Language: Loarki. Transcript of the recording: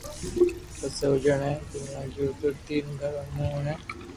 پسي او جڻي پينوا گيو تو تين گھرو مون اوني